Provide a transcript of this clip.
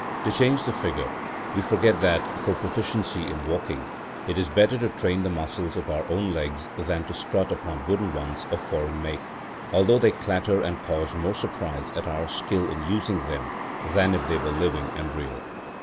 To change the figure, we forget that, for proficiency in walking, it is better to train the muscles of our own legs than to strut upon wooden ones of foreign make, although they clatter and cause more surprise at our skill in using them than if they were living and real.